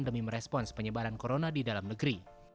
demi merespons penyebaran corona di dalam negeri